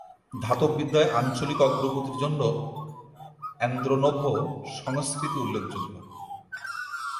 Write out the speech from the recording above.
ধাতববিদ্যায় আঞ্চলিক অগ্রগতির জন্য অ্যান্দ্রোনোভো সংস্কৃতি উল্লেখযোগ্য।